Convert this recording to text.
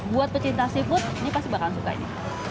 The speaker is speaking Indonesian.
buat pecinta seafood ini pasti bakal suka ini